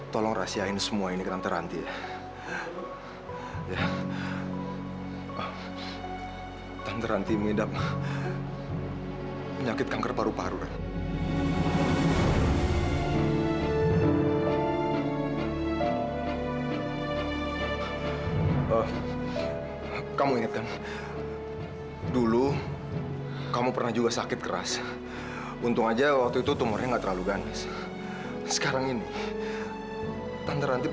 tolong rahasiakan semua ini ke tante ranti